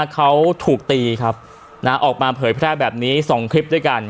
เขาถูกตีครับออกมาเผยแพร่แบบนี้๒คลิปด้วยกัน